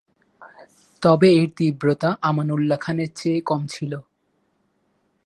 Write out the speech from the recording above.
তবে এর তীব্রতা আমানউল্লাহ খানের চেয়ে কম ছিল।